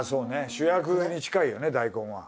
主役に近いよね大根は。